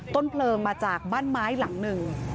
ต้นเพลิงมาจากบ้านไม้หลังหนึ่ง